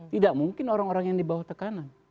tidak mungkin orang orang yang di bawah tekanan